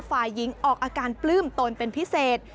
ฝ่ายหญิงออกอาการปลื้มตนเป็นพิเศษ